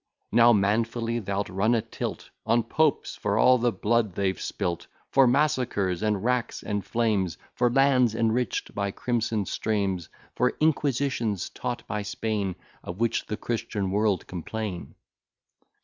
Now, manfully thou'lt run a tilt "On popes, for all the blood they've spilt, For massacres, and racks, and flames, For lands enrich'd by crimson streams, For inquisitions taught by Spain, Of which the Christian world complain."